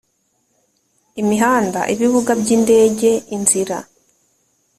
imihanda ibibuga by indege inzira